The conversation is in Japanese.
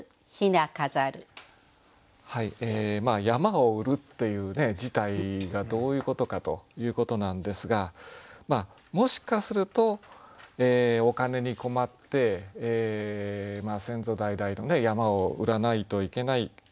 山を売るっていう事態がどういうことかということなんですがもしかするとお金に困って先祖代々のね山を売らないといけない。